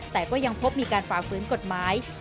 แต่ก็ยังพบมีการฝ่าฝืนกฎหมาย